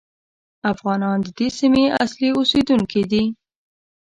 افغانان د دې سیمې اصلي اوسېدونکي دي.